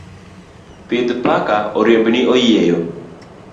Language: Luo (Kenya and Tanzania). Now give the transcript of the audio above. Pidh paka oriembni oyieyo.